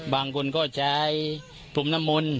บางคนก็ใช้พรมนัมมล์